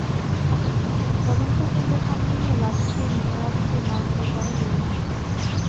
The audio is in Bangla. তদন্ত কেন্দ্রের সামনে নিয়ে লাঠি দিয়ে মেহেরাজকে মারধর করেন মীর মোহাম্মদ।